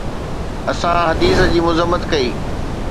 اسان حديث جي مذمت ڪئي